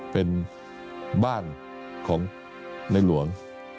เป็นบ้านของในหลวง